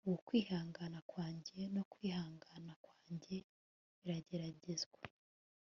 ubu kwihangana kwanjye no kwihangana kwanjye birageragezwa